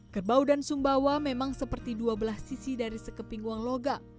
kerbau dan sumbawa memang seperti dua belah sisi dari sekeping uang logak